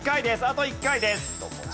あと１回です。